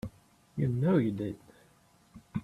You know you did.